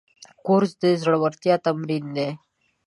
کورس د زړورتیا تمرین دی.